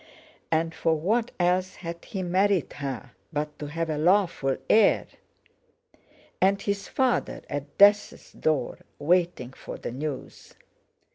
And for what else had he married her but to have a lawful heir? And his father—at death's door, waiting for the news!